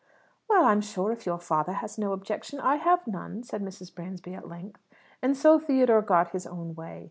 "Well, I'm sure if your father has no objection, I have none," said Mrs. Bransby at length. And so Theodore got his own way.